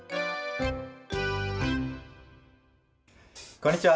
こんにちは。